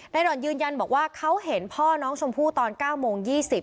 ด่อนยืนยันบอกว่าเขาเห็นพ่อน้องชมพู่ตอน๙โมง๒๐